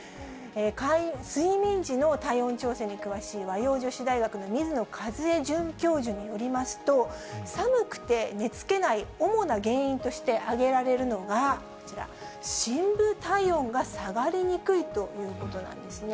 睡眠時の体温調整に詳しい、和洋女子大学の水野一枝准教授によりますと、寒くて寝つけない主な原因として挙げられるのがこちら、深部体温が下がりにくいということなんですね。